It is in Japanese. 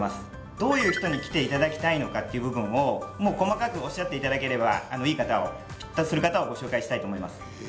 どういう人に来ていただきたいのかっていう部分を細かくおっしゃっていただければいい方をフィットする方をご紹介したいと思います